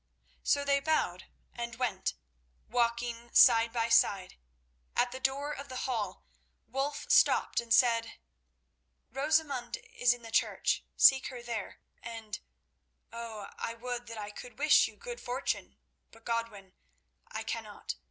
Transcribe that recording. So they bowed and went, walking side by side. At the door of the hall, Wulf stopped and said: "Rosamund is in the church. Seek her there, and—oh! I would that I could wish you good fortune; but, Godwin, I cannot.